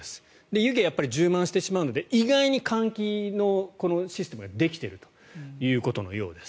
湯気が充満してしまうので意外に換気のシステムができているということのようです。